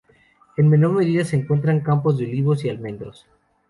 En menor medida se encuentra campos de olivos y almendros.